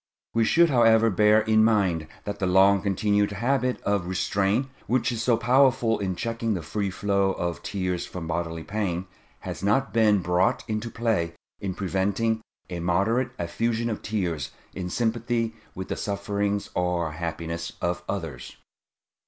We should, however, bear in mind that the long continued habit of restraint which is so powerful in checking the free flow of tears from bodily pain, has not been brought into play in preventing a moderate effusion of tears in sympathy with the sufferings or happiness of others.